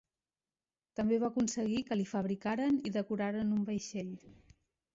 També va aconseguir que li fabricaren i decoraren un vaixell.